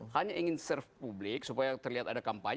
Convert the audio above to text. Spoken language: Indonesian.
hanya ingin serve publik supaya terlihat ada kampanye